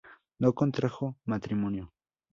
No contrajo matrimonio.